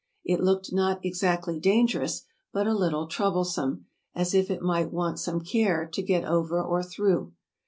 It looked not exactly dangerous, but a little troublesome, as if it might want some care to get over or through.